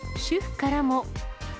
主婦からも。